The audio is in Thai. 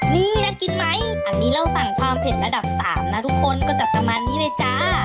นี่น่ากินไหมอันนี้เราสั่งความเผ็ดระดับ๓นะทุกคนก็จัดประมาณนี้เลยจ้า